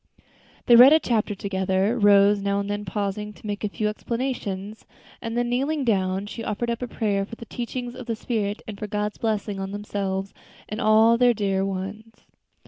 They read a chapter together Rose now and then pausing to make a few explanations and then kneeling down, she offered up a prayer for the teachings of the Spirit, and for God's blessing on themselves and all their dear ones.